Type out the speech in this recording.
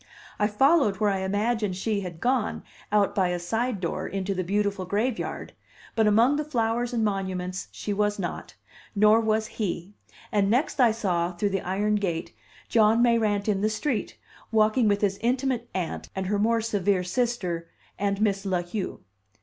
I followed where I imagined she had gone, out by a side door, into the beautiful graveyard; but among the flowers and monuments she was not, nor was he; and next I saw, through the iron gate, John Mayrant in the street, walking with his intimate aunt and her more severe sister, and Miss La Heu.